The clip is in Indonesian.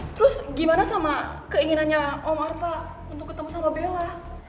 terus gimana sama keinginannya om artha untuk ketemu sama bella